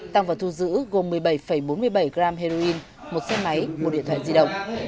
tăng vật thu giữ gồm một mươi bảy bốn mươi bảy gram heroin một xe máy một điện thoại di động